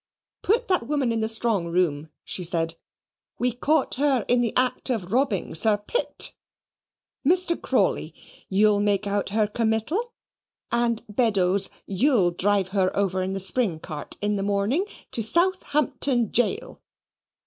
"Put that woman in the strong room," she said. "We caught her in the act of robbing Sir Pitt. Mr. Crawley, you'll make out her committal and, Beddoes, you'll drive her over in the spring cart, in the morning, to Southampton Gaol."